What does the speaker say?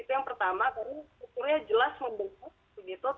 itu yang pertama karena strukturnya jelas membentuk